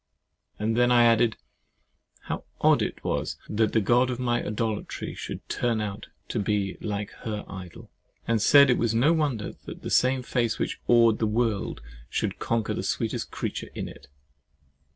And then I added "How odd it was that the God of my idolatry should turn out to be like her Idol, and said it was no wonder that the same face which awed the world should conquer the sweetest creature in it!"